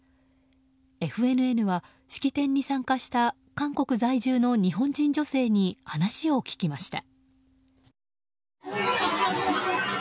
ＦＮＮは式典に参加した韓国在住の日本人女性に話を聞きました。